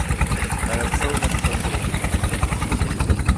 I had so much fun doing it.